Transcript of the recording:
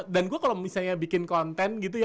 dan gue kalau misalnya bikin konten gitu ya